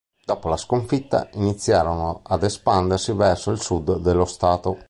Dopo la sconfitta, iniziarono ad espandersi verso il sud dello stato.